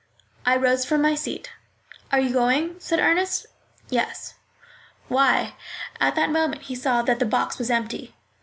I rose from my seat. "Are you going?" said Ernest. "Yes." "Why?" At that moment he saw that the box was empty.